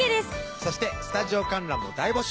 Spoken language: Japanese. そしてスタジオ観覧も大募集